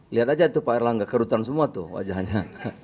lihat aja pak air langga kerutan semua wajahnya